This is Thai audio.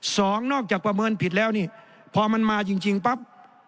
สองนอกจากประเมินผิดแล้วนี่พอมันมาจริงจริงปั๊บ